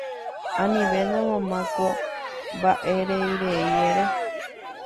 Anivéna mama ko mba'ereirei ere